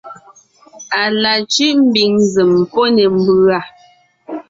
À la cʉ́ʼ ḿbiŋ nzèm pɔ́ ne ḿbʉ̀a.